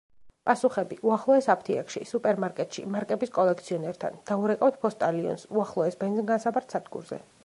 პახუხები: უახლოეს აფთიაქში; სუპერმარკეტში; მარკების კოლექციონერთან; დაურეკავთ ფოსტალიონს; უახლოეს ბენზინის გასამართ სადგურზე.